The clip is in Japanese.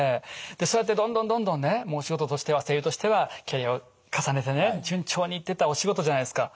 そうやってどんどんどんどんねもうお仕事としては声優としてはキャリアを重ねてね順調にいってたお仕事じゃないですか。